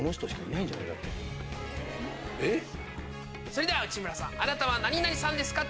それでは内村さんあなたは○○さんですか？